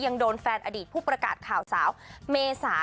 ยังโดนแฟนอดีตผู้ประกาศข่าวสาวเมษา